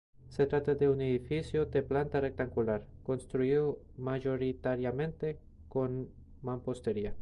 Se trata de un edificio de planta rectangular, construido mayoritariamente con mampostería.